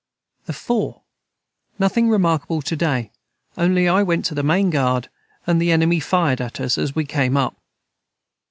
the 4. Nothing remarkable to day only I went to the main guard and the enemy fired at us as we came up.